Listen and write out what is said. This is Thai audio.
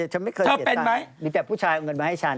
ฉันไม่เคยเสียตังมีแต่ผู้ชายเอาเงินมาให้ฉัน